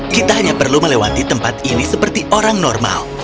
kita hanya perlu melewati tempat ini seperti orang normal